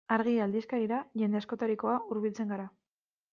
Argia aldizkarira jende askotarikoa hurbiltzen gara.